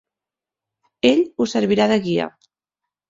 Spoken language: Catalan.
Ell us servirà de guia.